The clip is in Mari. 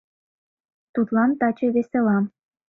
Тудлан таче весела.